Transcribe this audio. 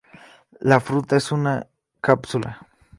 La fruta es una cápsula.